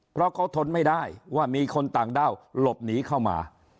เพราะเขาทนไม่ได้ว่ามีคนต่างด้าวหลบหนีเข้ามา